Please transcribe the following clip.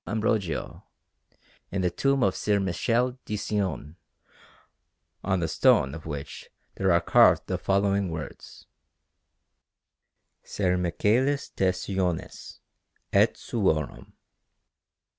Ambrogio, in the tomb of Ser Michele di Cione, on the stone of which there are carved the following words: SER MICHÆLIS DE CIONIS, ET SUORUM.